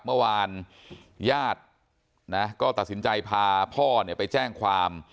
เมื่อวานญาตินะก็ตัดสินใจพาพ่อไปแจ้งความ